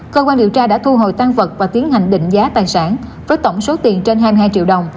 cơ quan điều tra đã thu hồi tăng vật và tiến hành định giá tài sản với tổng số tiền trên hai mươi hai triệu đồng